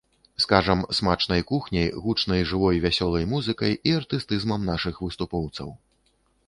Скажам, смачнай кухняй, гучнай жывой вясёлай музыкай і артыстызмам нашых выступоўцаў.